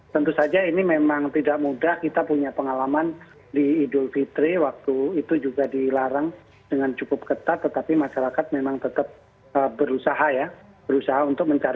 tentu saja ini memang tidak mudah kita punya pengalaman di idul fitri waktu maaf maksudnya